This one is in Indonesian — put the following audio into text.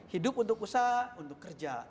hidup untuk usaha untuk kerja